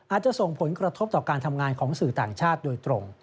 อาจจะส่งผลกระทบต่อการทำงานของสื่อต่างชาติโดยตรง